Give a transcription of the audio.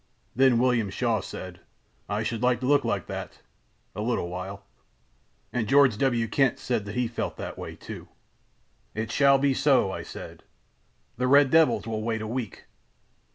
Then William Shaw said: 'I should like to look like that—a little while.' "And George W. Kent said that he felt that way, too. "'It shall be so,' I said: 'the red devils will wait a week.